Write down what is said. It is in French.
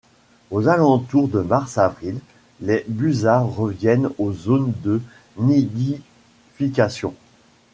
Aux alentours de mars-avril, les busards reviennent aux zones de nidification.